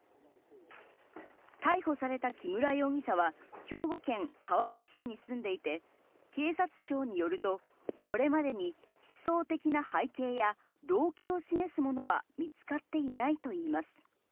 逮捕された木村容疑者は、兵庫県川西市に住んでいて、警察庁によると、これまでに思想的な背景や、動機を示すものは見つかっていないといいます。